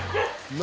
何？